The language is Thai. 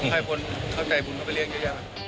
ให้คนเข้าใจบุญก็ไปเรียกเยอะแยะ